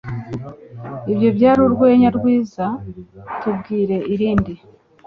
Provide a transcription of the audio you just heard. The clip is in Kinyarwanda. Ibyo byari urwenya rwiza Tubwire irindi